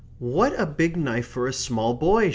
"What a big knife for a small boy!"